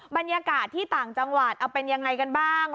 บรรยากาศที่ต่างจังหวัดเอาเป็นยังไงกันบ้าง